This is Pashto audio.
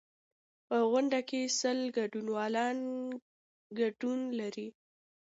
په غونډه کې سل ګډونوال ګډون لري.